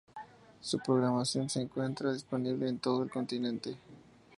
Su programación se encuentra disponible en todo el continente.